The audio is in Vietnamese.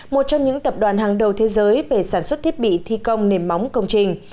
một trong những tập đoàn hàng đầu thế giới về sản xuất thiết bị thi công nền móng công trình